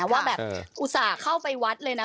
ว่าแบบอุตส่าห์เข้าไปวัดเลยนะ